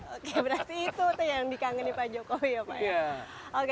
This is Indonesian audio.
oke berarti itu tuh yang dikangeni pak jokowi ya pak ya